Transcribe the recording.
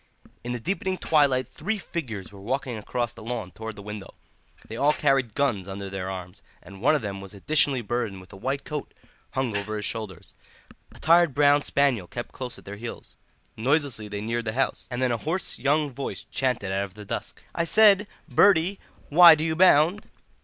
In the deepening twilight three figures were walking across the lawn towards the window; they all carried guns under their arms, and one of them was additionally burdened with a white coat hung over his shoulders. A tired brown spaniel kept close at their heels. Noiselessly they neared the house, and then a hoarse young voice chanted out of the dusk: "I said, Bertie, why do you bound?"